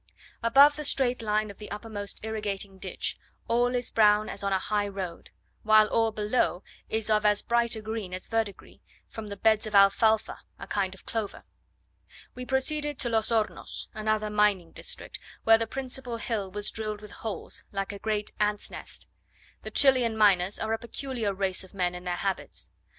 Above the straight line of the uppermost irrigating ditch, all is brown as on a high road; while all below is of as bright a green as verdigris, from the beds of alfalfa, a kind of clover. We proceeded to Los Hornos, another mining district, where the principal hill was drilled with holes, like a great ants' nest. The Chilian miners are a peculiar race of men in their habits.